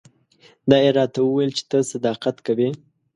دا یې راته وویل چې ته صداقت کوې.